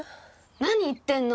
何言ってんの！